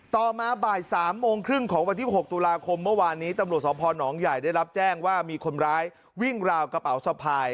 ต่อมาบ่าย๓โมงครึ่งของวันที่๖ตุลาคมเมื่อวานนี้ตำรวจสพนใหญ่ได้รับแจ้งว่ามีคนร้ายวิ่งราวกระเป๋าสะพาย